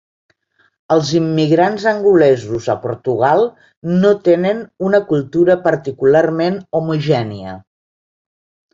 Els immigrants angolesos a Portugal no tenen una cultura particularment homogènia.